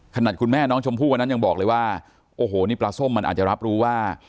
คุณแม่น้องชมพู่วันนั้นยังบอกเลยว่าโอ้โหนี่ปลาส้มมันอาจจะรับรู้ว่า